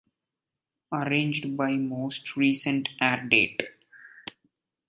Arranged by most recent airdate.